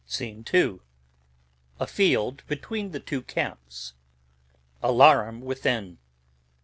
Scene II. A field between the two camps. Alarum within.